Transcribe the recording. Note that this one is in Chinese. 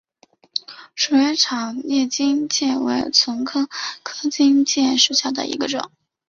鼠尾草叶荆芥为唇形科荆芥属下的一个种。